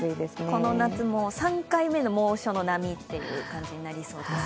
この夏、３回目の猛暑の波という感じになりそうです。